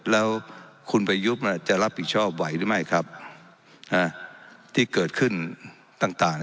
แล้วคุณไปยุทธ์มันจะรับผิดชอบไว้หรือไม่ครับน่ะที่เกิดขึ้นต่างต่าง